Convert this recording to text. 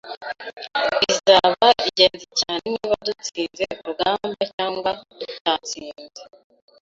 Bizaba ingenzi cyane niba dutsinze urugamba cyangwa tutatsinze.